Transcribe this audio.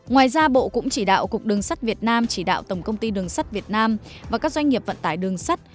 ngoài ra bộ cũng chỉ đạo cục đường sắt việt nam chỉ đạo tổng công ty đường sắt việt nam và các doanh nghiệp vận tải đường sắt